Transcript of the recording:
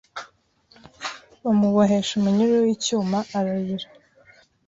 Bamubohesha umunyururu wicyuma ararira